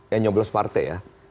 yang nyoblos partai ya